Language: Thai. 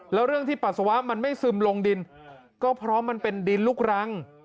แล้วเรื่องที่ปัสสาวะมันไม่ซึมลงดินก็เพราะมันเป็นดินลูกรัง